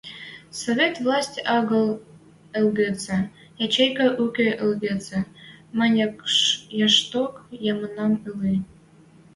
Совет власть агыл ылгецӹ, ячейка уке ылгецӹ, мӹнь яшток ямынам ыльы.